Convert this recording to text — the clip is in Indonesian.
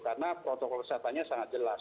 karena protokol kesehatannya sangat jelas